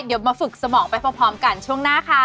เดี๋ยวมาฝึกสมองไปพร้อมกันช่วงหน้าค่ะ